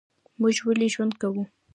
موږ ولي ژوند کوو؟